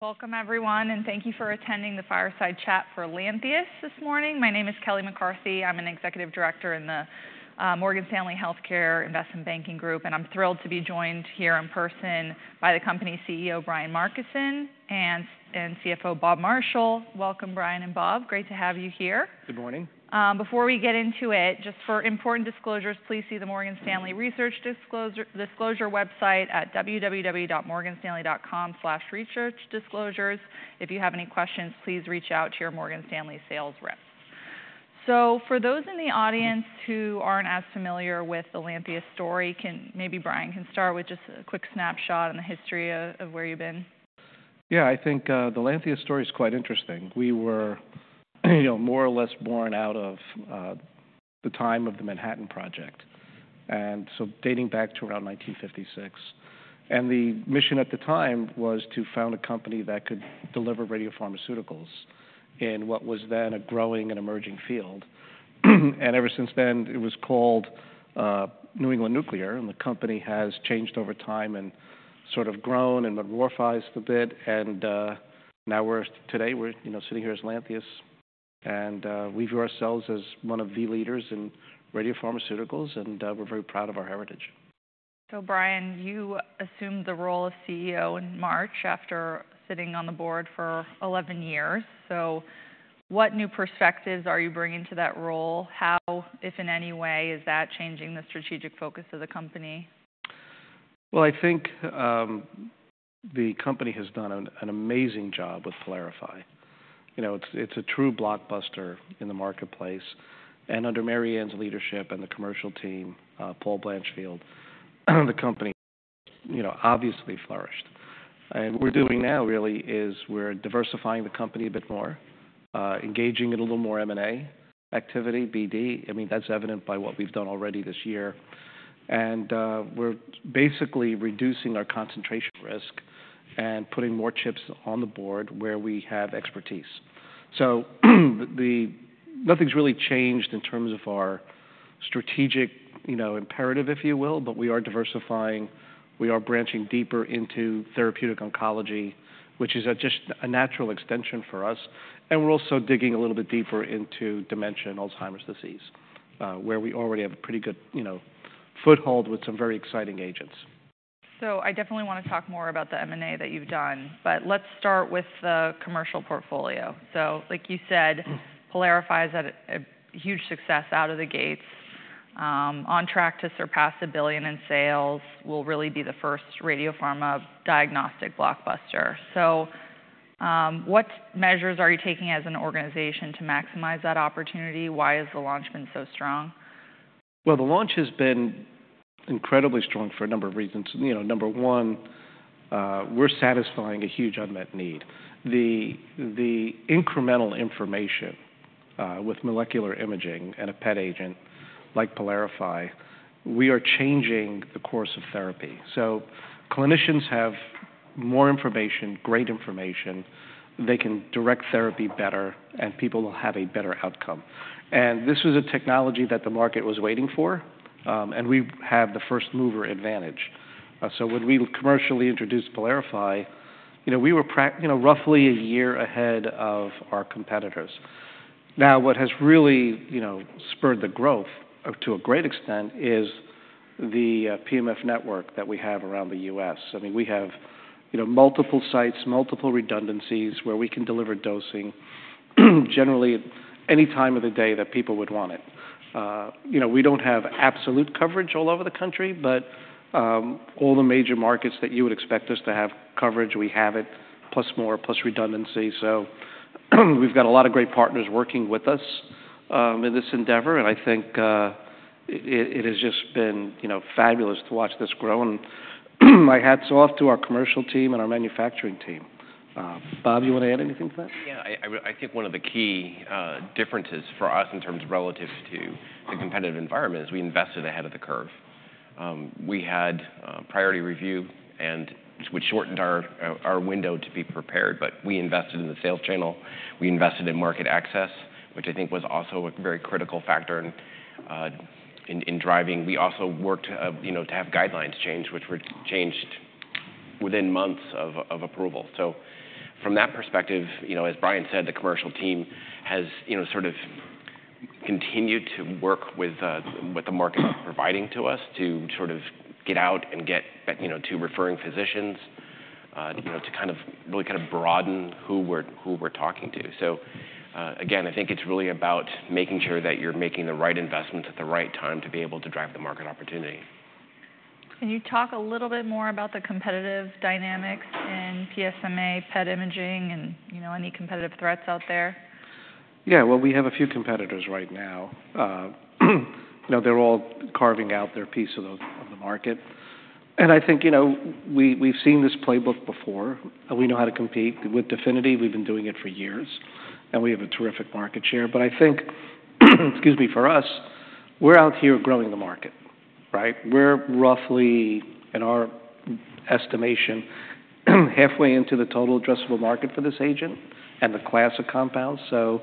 Welcome, everyone, and thank you for attending the Fireside Chat for Lantheus this morning. My name is Kelly McCarthy. I'm an executive director in the Morgan Stanley Healthcare Investment Banking Group, and I'm thrilled to be joined here in person by the company's CEO, Brian Markison, and CFO, Bob Marshall. Welcome, Brian and Bob. Great to have you here. Good morning. Before we get into it, just for important disclosures, please see the Morgan Stanley Research Disclosure website at www.morganstanley.com/researchdisclosures. If you have any questions, please reach out to your Morgan Stanley sales rep. For those in the audience who aren't as familiar with the Lantheus story, maybe Brian can start with just a quick snapshot on the history of where you've been. Yeah, I think, the Lantheus story is quite interesting. We were, you know, more or less born out of, the time of the Manhattan Project, and so dating back to around nineteen fifty-six, and the mission at the time was to found a company that could deliver radiopharmaceuticals in what was then a growing and emerging field, and ever since then, it was called, New England Nuclear, and the company has changed over time and sort of grown and matured a bit, and now we're today we're, you know, sitting here as Lantheus, and we view ourselves as one of the leaders in radiopharmaceuticals, and we're very proud of our heritage. So Brian, you assumed the role of CEO in March after sitting on the board for 11 years. So what new perspectives are you bringing to that role? How, if in any way, is that changing the strategic focus of the company? I think the company has done an amazing job with PYLARIFY. You know, it's a true blockbuster in the marketplace, and under Mary Anne's leadership and the commercial team, Paul Blanchfield, the company, you know, obviously flourished. And what we're doing now really is we're diversifying the company a bit more, engaging in a little more M&A activity, BD. I mean, that's evident by what we've done already this year. And we're basically reducing our concentration risk and putting more chips on the board where we have expertise. So, nothing's really changed in terms of our strategic, you know, imperative, if you will, but we are diversifying. We are branching deeper into therapeutic oncology, which is just a natural extension for us, and we're also digging a little bit deeper into dementia and Alzheimer's disease, where we already have a pretty good, you know, foothold with some very exciting agents. I definitely want to talk more about the M&A that you've done, but let's start with the commercial portfolio. Like you said, PYLARIFY is a huge success out of the gates, on track to surpass $1 billion in sales, will really be the first radiopharma diagnostic blockbuster. What measures are you taking as an organization to maximize that opportunity? Why has the launch been so strong? The launch has been incredibly strong for a number of reasons. You know, number one, we're satisfying a huge unmet need. The incremental information with molecular imaging and a PET agent like PYLARIFY, we are changing the course of therapy. So clinicians have more information, great information. They can direct therapy better, and people will have a better outcome. This was a technology that the market was waiting for, and we have the first-mover advantage. So when we commercially introduced PYLARIFY, you know, we were you know, roughly a year ahead of our competitors. Now, what has really, you know, spurred the growth to a great extent is the PMF network that we have around the U.S. I mean, we have, you know, multiple sites, multiple redundancies, where we can deliver dosing, generally any time of the day that people would want it. You know, we don't have absolute coverage all over the country, but all the major markets that you would expect us to have coverage, we have it, plus more, plus redundancy. So, we've got a lot of great partners working with us in this endeavor, and I think it has just been, you know, fabulous to watch this grow. And my hats off to our commercial team and our manufacturing team. Bob, you want to add anything to that? Yeah, I think one of the key differences for us in terms relative to the competitive environment is we invested ahead of the curve. We had priority review and which shortened our window to be prepared, but we invested in the sales channel, we invested in market access, which I think was also a very critical factor in driving. We also worked, you know, to have guidelines changed, which were changed within months of approval. So from that perspective, you know, as Brian said, the commercial team has, you know, sort of continued to work with what the market is providing to us to sort of get out and get, you know, to referring physicians, you know, to kind of really kind of broaden who we're talking to. So, again, I think it's really about making sure that you're making the right investment at the right time to be able to drive the market opportunity. Can you talk a little bit more about the competitive dynamics in PSMA, PET imaging and, you know, any competitive threats out there? Yeah. Well, we have a few competitors right now. You know, they're all carving out their piece of the, of the market. And I think, you know, we, we've seen this playbook before, and we know how to compete. With DEFINITY, we've been doing it for years, and we have a terrific market share. But I think, excuse me, for us, we're out here growing the market, right? We're roughly, in our estimation, halfway into the total addressable market for this agent and the class of compounds. So,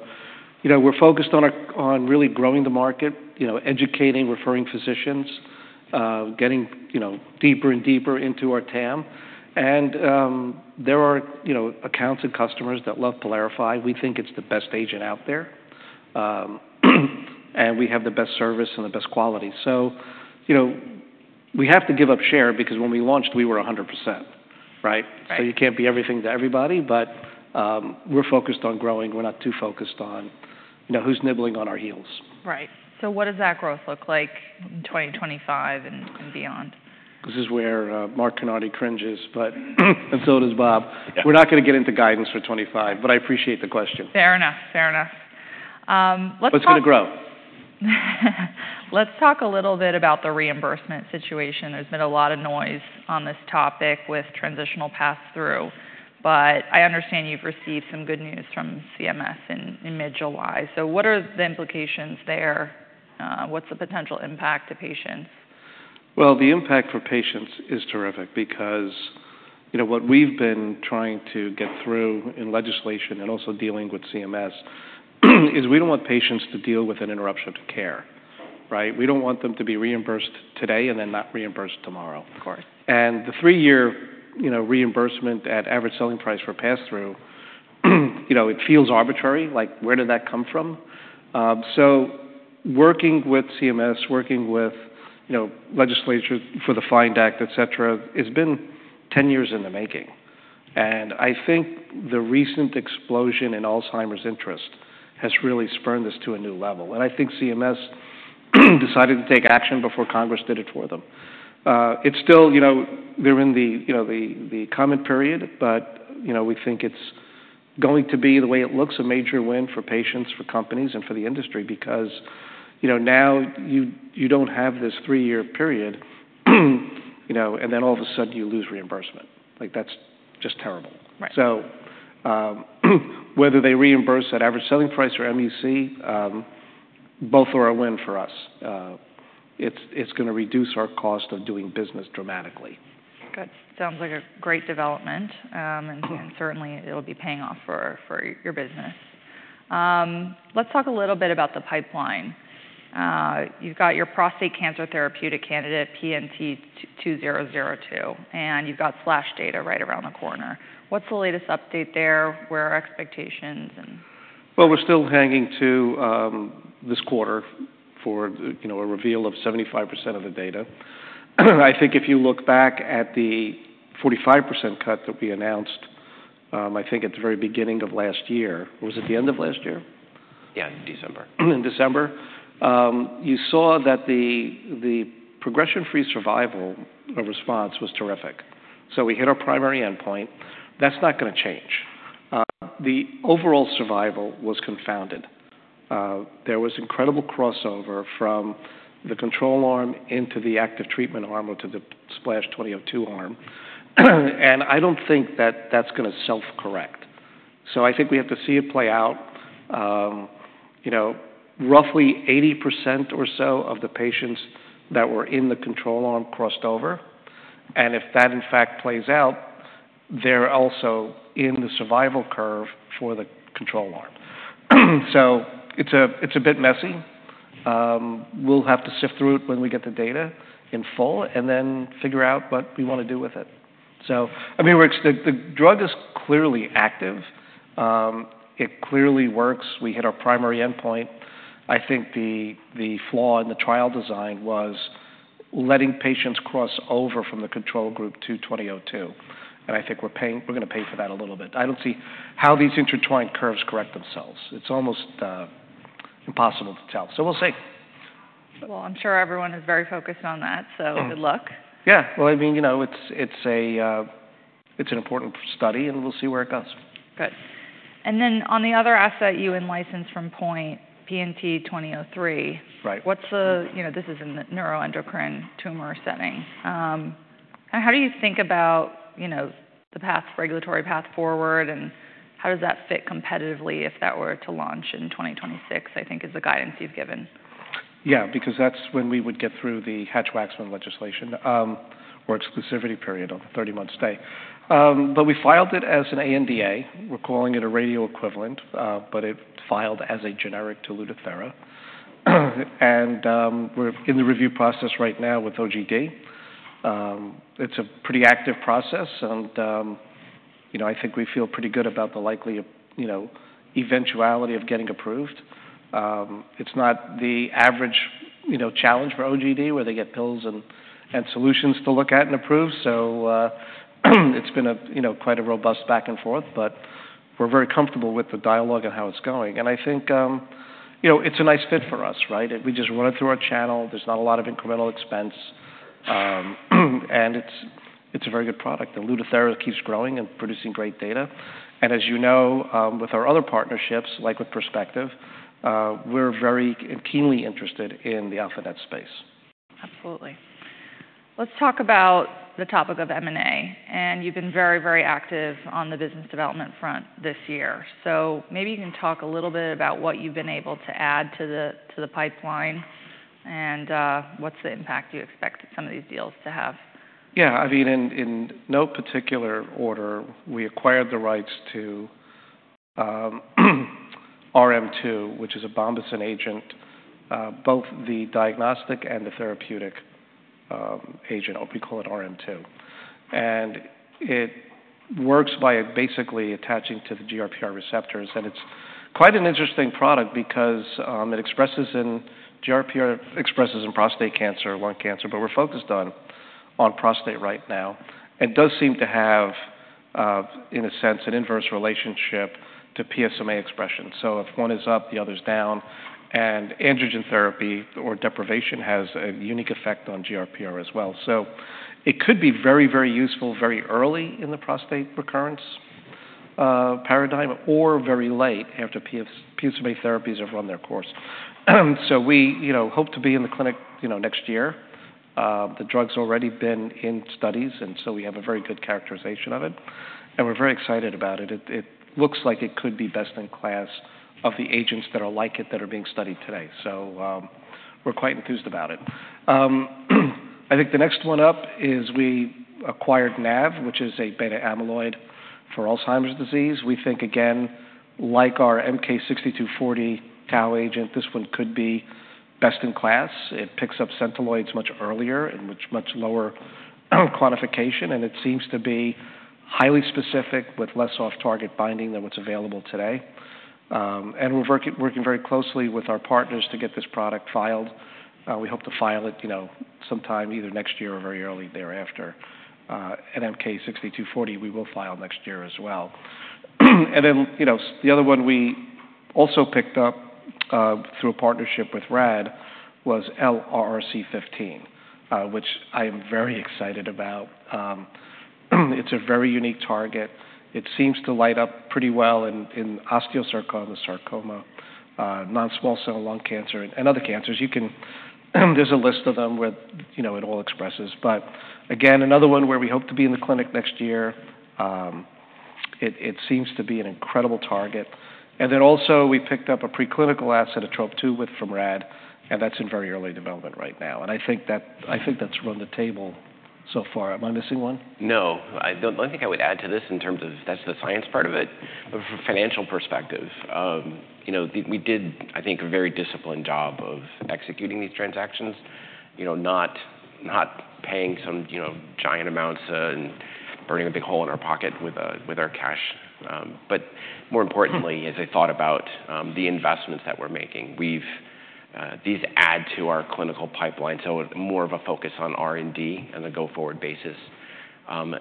you know, we're focused on really growing the market, you know, educating, referring physicians, getting, you know, deeper and deeper into our TAM. And, there are, you know, accounts and customers that love PYLARIFY. We think it's the best agent out there, and we have the best service and the best quality. You know, we have to give up share because when we launched, we were 100%, right? Right. So you can't be everything to everybody, but, we're focused on growing. We're not too focused on, you know, who's nibbling on our heels. Right. So what does that growth look like in 2025 and beyond? This is where, Mark Kinarney cringes, but and so does Bob. Yeah. We're not gonna get into guidance for 2025, but I appreciate the question. Fair enough. Fair enough. Let's talk- It's gonna grow. Let's talk a little bit about the reimbursement situation. There's been a lot of noise on this topic with transitional pass-through, but I understand you've received some good news from CMS in mid-July. So what are the implications there? What's the potential impact to patients? The impact for patients is terrific because, you know, what we've been trying to get through in legislation and also dealing with CMS, is we don't want patients to deal with an interruption to care, right? We don't want them to be reimbursed today and then not reimbursed tomorrow. Of course. And the three-year, you know, reimbursement at average selling price for pass-through, you know, it feels arbitrary, like, where did that come from? So working with CMS, working with, you know, legislators for the FIND Act, et cetera, it's been 10 years in the making. I think the recent explosion in Alzheimer's interest has really spurred this to a new level, and I think CMS decided to take action before Congress did it for them. It's still. You know, they're in the, you know, the comment period, but, you know, we think it's going to be, the way it looks, a major win for patients, for companies, and for the industry because, you know, now you don't have this three-year period, you know, and then all of a sudden you lose reimbursement. Like, that's just terrible. Right. So, whether they reimburse at average selling price or WAC, both are a win for us. It's gonna reduce our cost of doing business dramatically. Good. Sounds like a great development, and certainly it'll be paying off for your business. Let's talk a little bit about the pipeline. You've got your prostate cancer therapeutic candidate, PNT2002, and you've got SPLASH data right around the corner. What's the latest update there? Where are expectations and- We're still hanging on to this quarter for the, you know, a reveal of 75% of the data. I think if you look back at the 45% cut that we announced, I think at the very beginning of last year... Was it the end of last year? Yeah, in December. In December. You saw that the progression-free survival response was terrific. So we hit our primary endpoint. That's not gonna change. The overall survival was confounded. There was incredible crossover from the control arm into the active treatment arm or to the SPLASH 2002 arm, and I don't think that that's gonna self-correct. So I think we have to see it play out. You know, roughly 80% or so of the patients that were in the control arm crossed over, and if that, in fact, plays out, they're also in the survival curve for the control arm. So it's a bit messy. We'll have to sift through it when we get the data in full and then figure out what we wanna do with it. So, I mean, we're the drug is clearly active. It clearly works. We hit our primary endpoint. I think the flaw in the trial design was letting patients cross over from the control group to PNT2002, and I think we're paying - we're gonna pay for that a little bit. I don't see how these intertwined curves correct themselves. It's almost impossible to tell, so we'll see. I'm sure everyone is very focused on that, so- Mm... good luck. Yeah. Well, I mean, you know, it's an important study, and we'll see where it goes. Good. And then on the other asset you in-licensed from Point Biopharma, PNT2003- Right What's the... You know, this is in the neuroendocrine tumor setting. How do you think about, you know, the path, regulatory path forward, and how does that fit competitively if that were to launch in twenty twenty-six, I think, is the guidance you've given? Yeah, because that's when we would get through the Hatch-Waxman legislation or exclusivity period of thirty months stay, but we filed it as an ANDA. We're calling it a radioligand equivalent, but it filed as a generic to Lutathera, and we're in the review process right now with OGD. It's a pretty active process, and you know, I think we feel pretty good about the likely, you know, eventuality of getting approved. It's not the average, you know, challenge for OGD, where they get pills and solutions to look at and approve, so it's been a you know, quite a robust back and forth, but we're very comfortable with the dialogue and how it's going, and I think you know, it's a nice fit for us, right? We just run it through our channel. There's not a lot of incremental expense, and it's a very good product, and Lutathera keeps growing and producing great data. And as you know, with our other partnerships, like with Perspective, we're very and keenly interested in the alpha-particle space. Absolutely. Let's talk about the topic of M&A, and you've been very, very active on the business development front this year. So maybe you can talk a little bit about what you've been able to add to the pipeline and what's the impact you expect some of these deals to have? Yeah, I mean, in no particular order, we acquired the rights to RM2, which is a bombesin agent. Both the diagnostic and the therapeutic agent, we call it RM2. And it works by basically attaching to the GRPR receptors. And it's quite an interesting product because GRPR expresses in prostate cancer, lung cancer, but we're focused on prostate right now. It does seem to have, in a sense, an inverse relationship to PSMA expression. So if one is up, the other's down, and androgen therapy or deprivation has a unique effect on GRPR as well. So it could be very, very useful very early in the prostate recurrence paradigm, or very late after PSMA therapies have run their course. So we, you know, hope to be in the clinic, you know, next year. The drug's already been in studies, and so we have a very good characterization of it, and we're very excited about it. It looks like it could be best in class of the agents that are like it, that are being studied today, so we're quite enthused about it. I think the next one up is we acquired NAV, which is a beta-amyloid for Alzheimer's disease. We think, again, like our MK-6240 tau agent, this one could be best in class. It picks up centiloids much earlier and much lower quantification, and it seems to be highly specific with less off-target binding than what's available today. And we're working very closely with our partners to get this product filed. We hope to file it, you know, sometime either next year or very early thereafter. And MK-6240, we will file next year as well. And then, you know, the other one we also picked up through a partnership with Radiopharm Theranostics was LRRC15, which I am very excited about. It's a very unique target. It seems to light up pretty well in osteosarcoma, sarcoma, non-small cell lung cancer, and other cancers. There's a list of them where, you know, it all expresses, but again, another one where we hope to be in the clinic next year. It seems to be an incredible target. And then also, we picked up a preclinical asset, TROP2, from Radiopharm Theranostics, and that's in very early development right now. And I think that's around the table so far. Am I missing one? No, I don't... The only thing I would add to this in terms of that's the science part of it, but from a financial perspective, you know, we did, I think, a very disciplined job of executing these transactions. You know, not paying some, you know, giant amounts, and burning a big hole in our pocket with our cash. But more importantly- Hmm As I thought about the investments that we're making, we've... These add to our clinical pipeline, so more of a focus on R&D on a go-forward basis.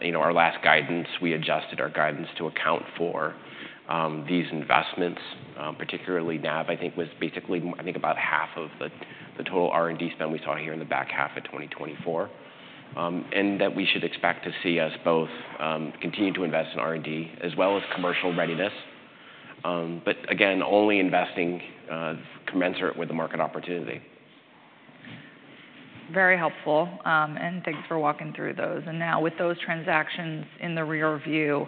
You know, our last guidance, we adjusted our guidance to account for these investments, particularly NAV, I think, was basically, I think, about half of the total R&D spend we saw here in the back half of twenty twenty-four. And that we should expect to see us both continue to invest in R&D as well as commercial readiness, but again, only investing commensurate with the market opportunity. Very helpful, and thanks for walking through those. And now with those transactions in the rear view,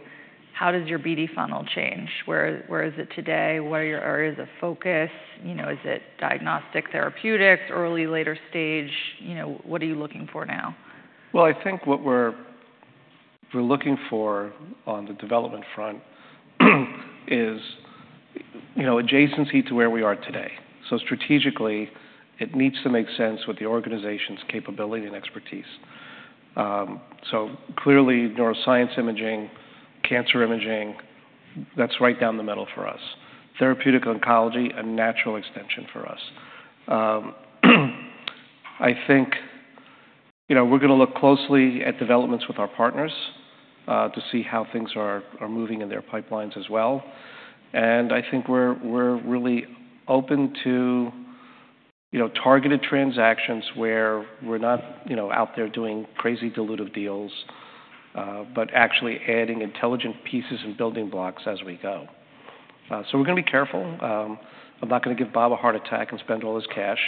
how does your BD funnel change? Where, where is it today? Where are your areas of focus? You know, is it diagnostic, therapeutics, early, later stage? You know, what are you looking for now? I think what we're looking for on the development front is, you know, adjacency to where we are today. Strategically, it needs to make sense with the organization's capability and expertise. Clearly, neuroscience imaging, cancer imaging, that's right down the middle for us. Therapeutic oncology, a natural extension for us. I think, you know, we're gonna look closely at developments with our partners to see how things are moving in their pipelines as well. I think we're really open to, you know, targeted transactions where we're not, you know, out there doing crazy dilutive deals, but actually adding intelligent pieces and building blocks as we go. We're gonna be careful. I'm not gonna give Bob a heart attack and spend all his cash,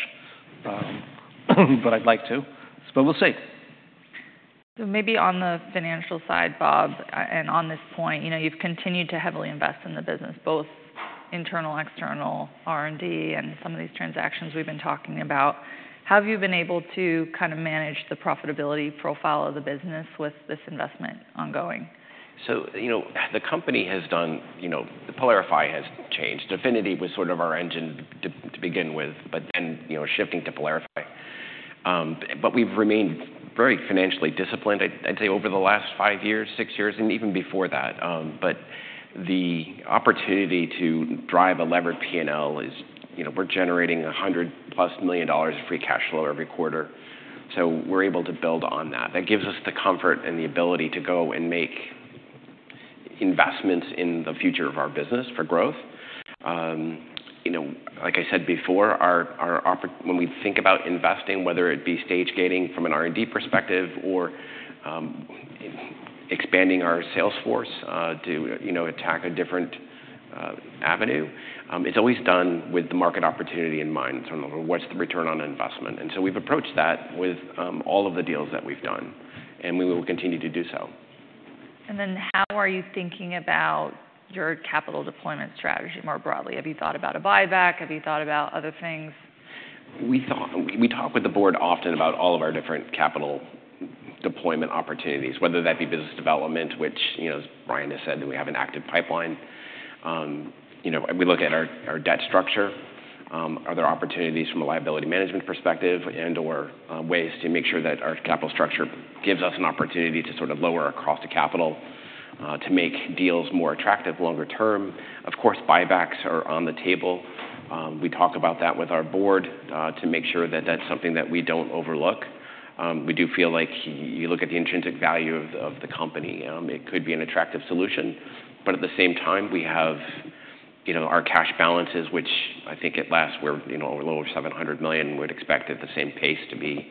but I'd like to. But we'll see. Maybe on the financial side, Bob, and on this point, you know, you've continued to heavily invest in the business, both internal, external R&D, and some of these transactions we've been talking about. How have you been able to kind of manage the profitability profile of the business with this investment ongoing? So, you know, the company has done. You know, the PYLARIFY has changed. DEFINITY was sort of our engine to begin with, but then, you know, shifting to PYLARIFY. But we've remained very financially disciplined, I'd say, over the last five years, six years, and even before that. But the opportunity to drive a levered P&L is, you know, we're generating $100+ million of free cash flow every quarter. So we're able to build on that. That gives us the comfort and the ability to go and make investments in the future of our business for growth. You know, like I said before, when we think about investing, whether it be stage gating from an R&D perspective or expanding our sales force to you know attack a different avenue, it's always done with the market opportunity in mind. So what's the return on investment? And so we've approached that with all of the deals that we've done, and we will continue to do so. And then how are you thinking about your capital deployment strategy more broadly? Have you thought about a buyback? Have you thought about other things? We talk with the board often about all of our different capital deployment opportunities, whether that be business development, which, you know, as Brian has said, that we have an active pipeline. You know, we look at our debt structure. Are there opportunities from a liability management perspective and/or ways to make sure that our capital structure gives us an opportunity to sort of lower our cost of capital to make deals more attractive longer term? Of course, buybacks are on the table. We talk about that with our board to make sure that that's something that we don't overlook. We do feel like you look at the intrinsic value of the company, it could be an attractive solution, but at the same time, we have, you know, our cash balances, which I think at least were, you know, a little over $700 million, would expect at the same pace to be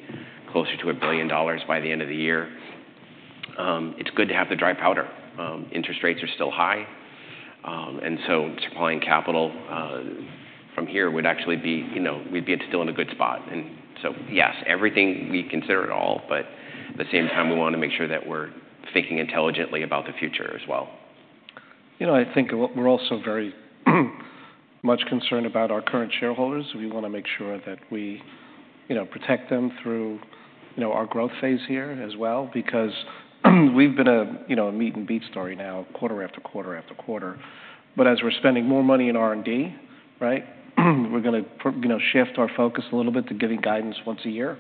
closer to $1 billion by the end of the year. It's good to have the dry powder. Interest rates are still high, and so supplying capital from here would actually be, you know, we'd be still in a good spot. Yes, everything we consider it all, but at the same time, we wanna make sure that we're thinking intelligently about the future as well. You know, I think we're also very much concerned about our current shareholders. We wanna make sure that we, you know, protect them through, you know, our growth phase here as well, because we've been a you know meet and beat story now quarter after quarter after quarter. But as we're spending more money in R&D, right? We're gonna you know shift our focus a little bit to giving guidance once a year.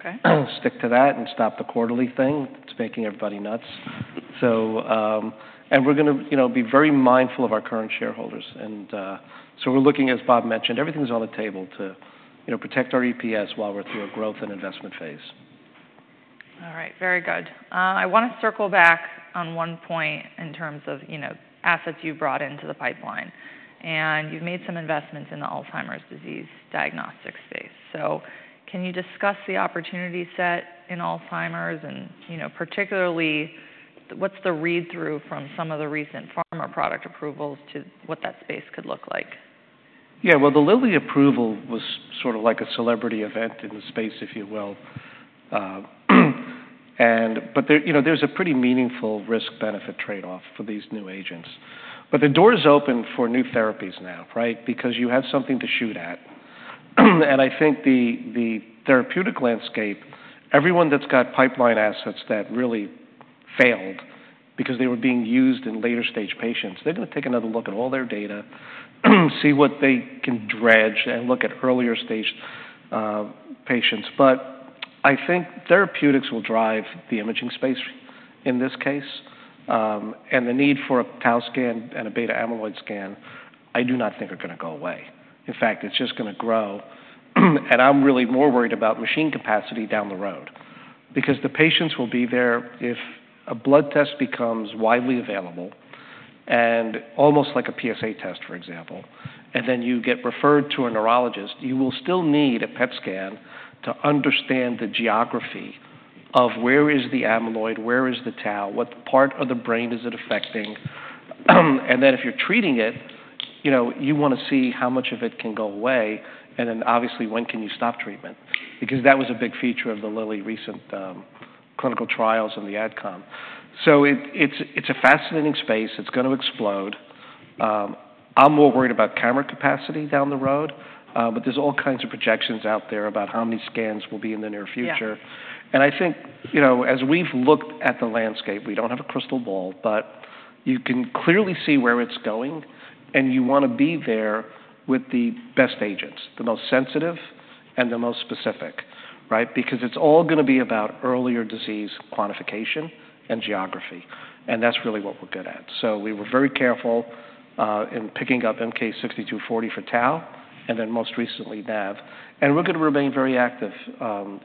Okay. Stick to that and stop the quarterly thing. It's making everybody nuts. So, and we're gonna, you know, be very mindful of our current shareholders, and, so we're looking, as Bob mentioned, everything's on the table to, you know, protect our EPS while we're through a growth and investment phase. All right. Very good. I wanna circle back on one point in terms of, you know, assets you've brought into the pipeline. And you've made some investments in the Alzheimer's disease diagnostic space. So can you discuss the opportunity set in Alzheimer's? And, you know, particularly, what's the read-through from some of the recent pharma product approvals to what that space could look like? Yeah. Well, the Lilly approval was sort of like a celebrity event in the space, if you will. And but there, you know, there's a pretty meaningful risk-benefit trade-off for these new agents. But the door is open for new therapies now, right? Because you have something to shoot at. And I think the therapeutic landscape, everyone that's got pipeline assets that really failed because they were being used in later-stage patients, they're gonna take another look at all their data, see what they can dredge and look at earlier-stage patients. But I think therapeutics will drive the imaging space in this case, and the need for a tau scan and a beta-amyloid scan, I do not think are gonna go away. In fact, it's just gonna grow, and I'm really more worried about machine capacity down the road because the patients will be there if a blood test becomes widely available and almost like a PSA test, for example, and then you get referred to a neurologist, you will still need a PET scan to understand the geography of where is the amyloid, where is the tau, what part of the brain is it affecting? And then, if you're treating it, you know, you wanna see how much of it can go away, and then obviously, when can you stop treatment? Because that was a big feature of the Lilly recent clinical trials and the outcome. So it's a fascinating space. It's gonna explode. I'm more worried about camera capacity down the road, but there's all kinds of projections out there about how many scans will be in the near future. Yeah. I think, you know, as we've looked at the landscape, we don't have a crystal ball, but you can clearly see where it's going, and you wanna be there with the best agents, the most sensitive and the most specific, right? Because it's all gonna be about earlier disease quantification and geography, and that's really what we're good at. We were very careful in picking up MK-6240 for tau, and then most recently, NAV. We're gonna remain very active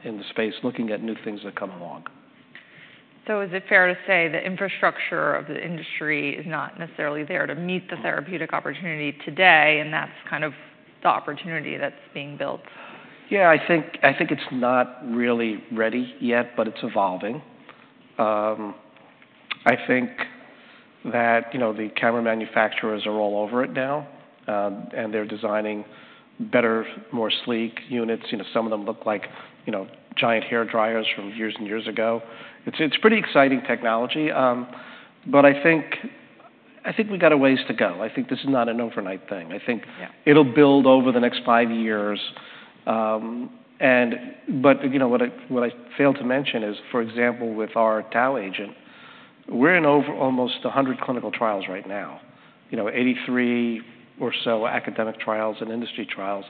in the space, looking at new things that come along. So is it fair to say the infrastructure of the industry is not necessarily there to meet the therapeutic opportunity today, and that's kind of the opportunity that's being built? Yeah, I think it's not really ready yet, but it's evolving. I think that, you know, the camera manufacturers are all over it now, and they're designing better, more sleek units. You know, some of them look like, you know, giant hairdryers from years and years ago. It's pretty exciting technology, but I think we got a ways to go. I think this is not an overnight thing. Yeah. I think it'll build over the next five years. You know, what I failed to mention is, for example, with our tau agent, we're in over almost 100 clinical trials right now. You know, 83 or so academic trials and industry trials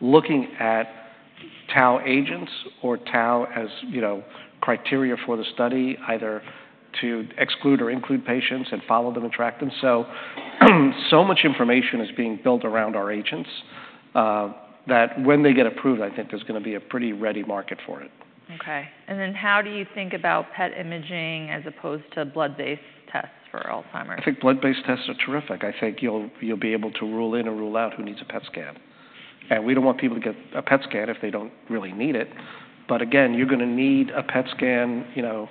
looking at tau agents or tau as, you know, criteria for the study, either to exclude or include patients and follow them and track them. So much information is being built around our agents, that when they get approved, I think there's gonna be a pretty ready market for it. Okay, and then how do you think about PET imaging as opposed to blood-based tests for Alzheimer's? I think blood-based tests are terrific. I think you'll be able to rule in or rule out who needs a PET scan and we don't want people to get a PET scan if they don't really need it but again, you're gonna need a PET scan, you know...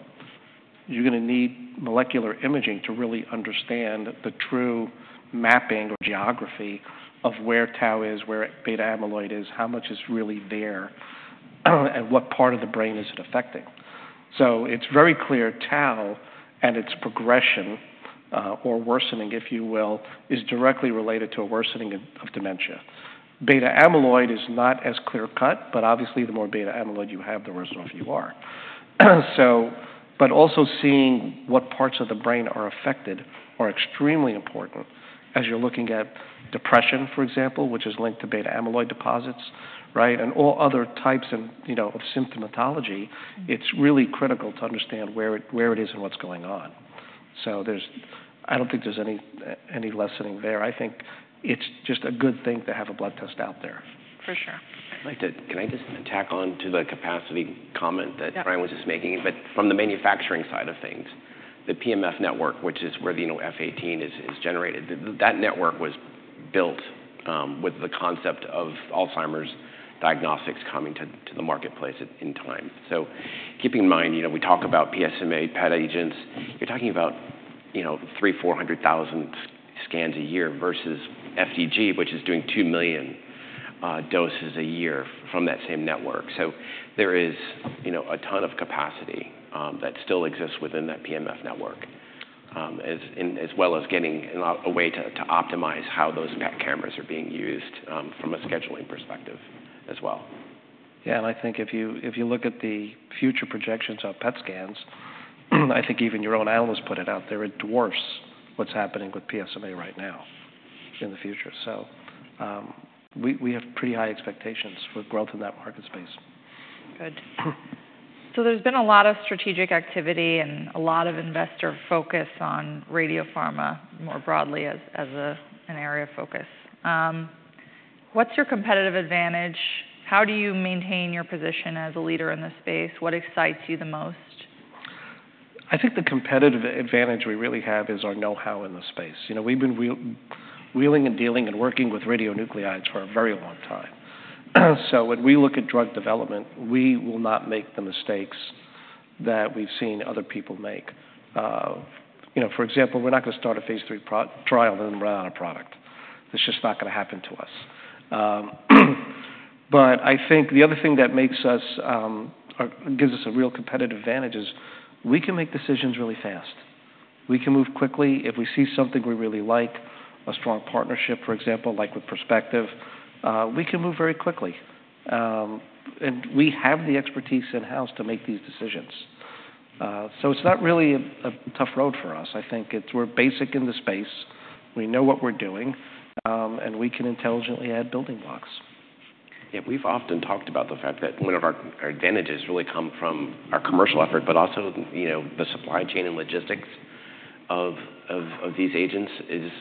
You're gonna need molecular imaging to really understand the true mapping or geography of where tau is, where beta-amyloid is, how much is really there, and what part of the brain is it affecting so it's very clear tau and its progression, or worsening, if you will, is directly related to a worsening of dementia... beta-amyloid is not as clear-cut, but obviously, the more beta-amyloid you have, the worse off you are. So, but also seeing what parts of the brain are affected are extremely important as you're looking at depression, for example, which is linked to beta-amyloid deposits, right? And all other types of, you know, of symptomatology, it's really critical to understand where it is and what's going on. I don't think there's any lessening there. I think it's just a good thing to have a blood test out there. For sure. Can I just tack on to the capacity comment that- Yeah... Brian was just making, but from the manufacturing side of things, the PMF network, which is where the you know F-18 is generated, that network was built with the concept of Alzheimer's diagnostics coming to the marketplace in time. So keeping in mind, you know, we talk about PSMA PET agents, you're talking about you know 300,000-400,000 scans a year versus FDG, which is doing 2 million doses a year from that same network. So there is you know a ton of capacity that still exists within that PMF network as well as getting a way to optimize how those PET cameras are being used from a scheduling perspective as well. Yeah, and I think if you look at the future projections on PET scans, I think even your own analysts put it out there. It dwarfs what's happening with PSMA right now in the future. So, we have pretty high expectations for growth in that market space. Good. So there's been a lot of strategic activity and a lot of investor focus on radiopharma more broadly as an area of focus. What's your competitive advantage? How do you maintain your position as a leader in this space? What excites you the most? I think the competitive advantage we really have is our know-how in the space. You know, we've been wheeling and dealing and working with radionuclides for a very long time. So when we look at drug development, we will not make the mistakes that we've seen other people make. You know, for example, we're not gonna start a Phase III trial and then run out of product. It's just not gonna happen to us. But I think the other thing that makes us or gives us a real competitive advantage is we can make decisions really fast. We can move quickly. If we see something we really like, a strong partnership, for example, like with Perspective, we can move very quickly, and we have the expertise in-house to make these decisions. So it's not really a tough road for us. I think it's we're best in the space, we know what we're doing, and we can intelligently add building blocks. Yeah, we've often talked about the fact that one of our advantages really come from our commercial effort, but also, you know, the supply chain and logistics of these agents is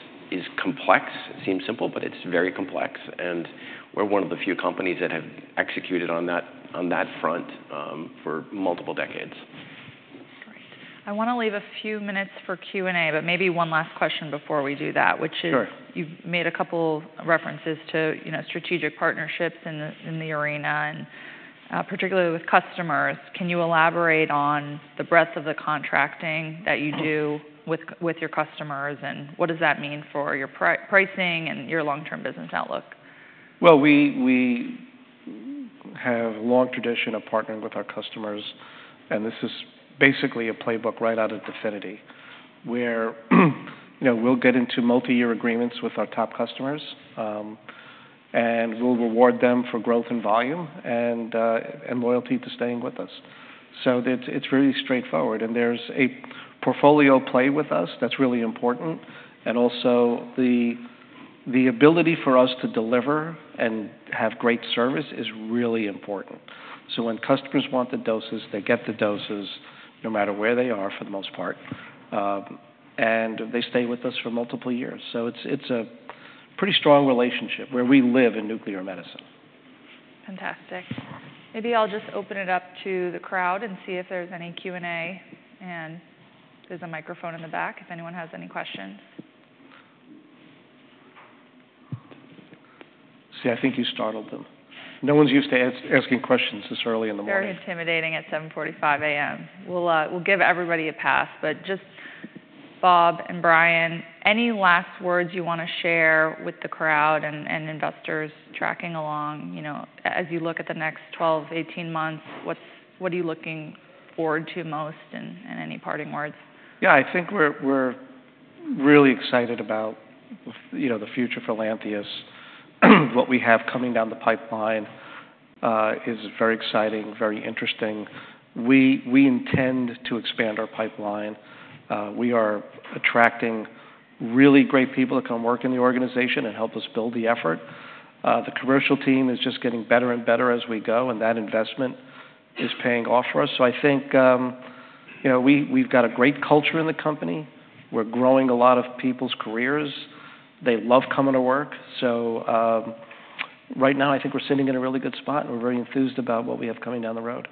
complex. It seems simple, but it's very complex, and we're one of the few companies that have executed on that front for multiple decades. Great. I wanna leave a few minutes for Q&A, but maybe one last question before we do that- Sure Which is, you've made a couple references to, you know, strategic partnerships in the arena, and, particularly with customers. Can you elaborate on the breadth of the contracting that you do with your customers, and what does that mean for your pricing and your long-term business outlook? We have a long tradition of partnering with our customers, and this is basically a playbook right out of DEFINITY, where, you know, we'll get into multiyear agreements with our top customers, and we'll reward them for growth and volume and loyalty to staying with us. So it's really straightforward, and there's a portfolio play with us that's really important, and also, the ability for us to deliver and have great service is really important. So when customers want the doses, they get the doses, no matter where they are, for the most part, and they stay with us for multiple years. So it's a pretty strong relationship where we live in nuclear medicine. Fantastic. Maybe I'll just open it up to the crowd and see if there's any Q&A, and there's a microphone in the back if anyone has any questions. See, I think you startled them. No one's used to asking questions this early in the morning. Very intimidating at 7:45 A.M. We'll, we'll give everybody a pass, but just Bob and Brian, any last words you wanna share with the crowd and investors tracking along, you know, as you look at the next 12-18 months, what's what are you looking forward to most, and any parting words? Yeah, I think we're really excited about, you know, the future for Lantheus. What we have coming down the pipeline is very exciting, very interesting. We intend to expand our pipeline. We are attracting really great people to come work in the organization and help us build the effort. The commercial team is just getting better and better as we go, and that investment is paying off for us. So I think, you know, we've got a great culture in the company. We're growing a lot of people's careers. They love coming to work. So right now, I think we're sitting in a really good spot, and we're very enthused about what we have coming down the road.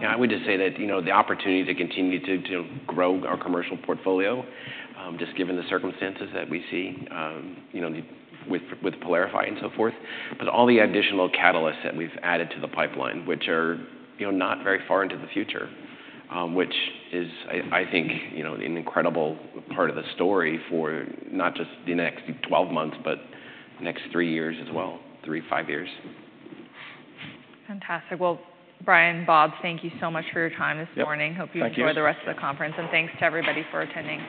Yeah, I would just say that, you know, the opportunity to continue to grow our commercial portfolio, just given the circumstances that we see, you know, with PYLARIFY and so forth. But all the additional catalysts that we've added to the pipeline, which are, you know, not very far into the future, which is, I think, you know, an incredible part of the story for not just the next twelve months, but the next three years as well, three to five years. Fantastic, well, Brian, Bob, thank you so much for your time this morning. Yep. Thank you. Hope you enjoy the rest of the conference, and thanks to everybody for attending.